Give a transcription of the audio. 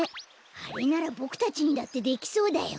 あれならボクたちにだってできそうだよ。